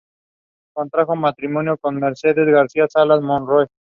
The aircraft livery was overall silver or white with green struts and markings.